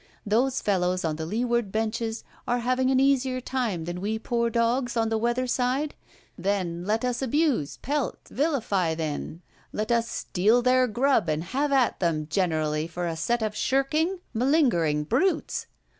Those fellows on the leeward benches are having an easier time than we poor dogs on the weather side? Then, let us abuse, pelt, vilify then: let us steal their grub, and have at them generally for a set of shirking, malingering brutes!